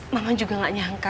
mama juga gak nyangka